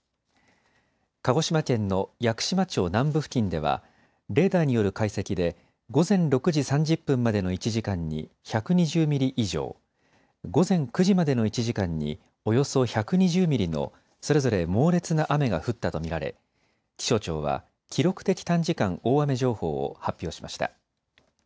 鹿児島県の屋久島町南部付近ではレーダーによる解析で午前６時３０分までの１時間に１２０ミリ以上、午前９時までの１時間におよそ１２０ミリのそれぞれ猛烈な雨が降ったと見られ、気象庁は記録的短時間大雨情報を発表しました。